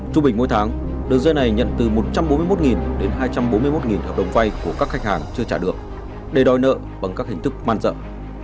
trung bình mỗi tháng đường dây này nhận từ một trăm bốn mươi một đến hai trăm bốn mươi một hợp đồng vay của các khách hàng chưa trả được để đòi nợ bằng các hình thức man dợ